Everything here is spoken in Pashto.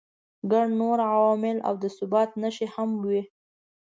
ګڼ نور عوامل او د ثبات نښې هم وي.